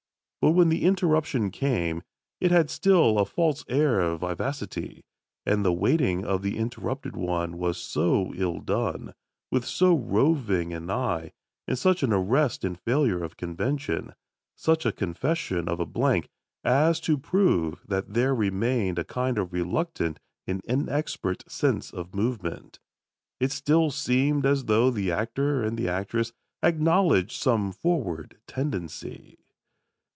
But when the interruption came, it had still a false air of vivacity; and the waiting of the interrupted one was so ill done, with so roving an eye and such an arrest and failure of convention, such a confession of a blank, as to prove that there remained a kind of reluctant and inexpert sense of movement. It still seemed as though the actor and the actress acknowledged some forward tendency.